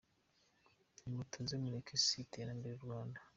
Nimutuze mureke isi itembere u Rwanda.